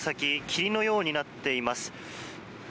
霧のようになっています。